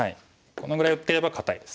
このぐらい打ってれば堅いです。